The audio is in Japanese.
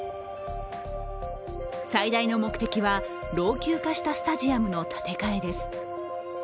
最大の目的は老朽化したスタジアムの建て替えです。